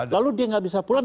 lalu dia nggak bisa pulang